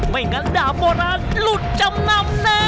ไม่งั้นดาบโบราณหลุดจำนำนะ